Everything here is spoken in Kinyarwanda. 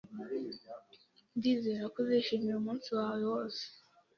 Ndizera ko uzishimira umunsi wawe wose.